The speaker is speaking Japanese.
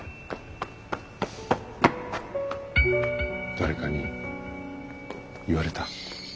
誰かに言われた？